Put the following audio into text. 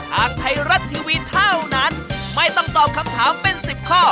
ทางไทยรัฐทีวีเท่านั้นไม่ต้องตอบคำถามเป็น๑๐ข้อ